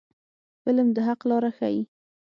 فلم د حق لاره ښيي